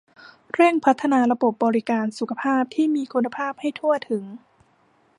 เร่งพัฒนาระบบบริการสุขภาพที่มีคุณภาพให้ทั่วถึง